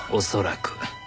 恐らく。